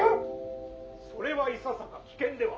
「それはいささか危険では」。